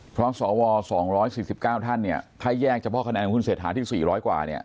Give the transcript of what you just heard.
เพราะเสาวอร์๒๔๙ท่านถ้าแยกเฉพาะคะแนนของคุณเสร็จหาที่๔๐๐กว่า